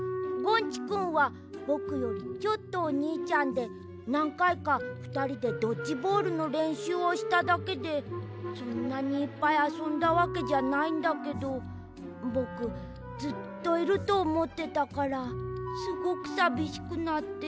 ゴンチくんはぼくよりちょっとおにいちゃんでなんかいかふたりでドッジボールのれんしゅうをしただけでそんなにいっぱいあそんだわけじゃないんだけどぼくずっといるとおもってたからすごくさびしくなって。